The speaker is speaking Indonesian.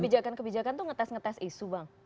jadi kebijakan kebijakan itu ngetes ngetes isu bang